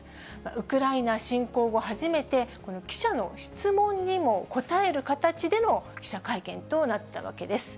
ウクライナ侵攻後初めて、この記者の質問にも答える形での記者会見となったわけです。